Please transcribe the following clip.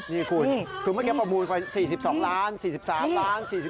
นี่คุณถึงเมื่อกี้ประมูลไป๔๒ล้าน๔๓ล้าน๔๔ล้าน